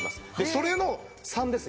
それの３です